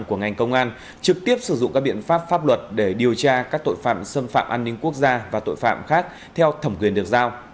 của ngành công an trực tiếp sử dụng các biện pháp pháp luật để điều tra các tội phạm xâm phạm an ninh quốc gia và tội phạm khác theo thẩm quyền được giao